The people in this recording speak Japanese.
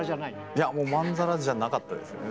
いやもうまんざらじゃなかったですよね。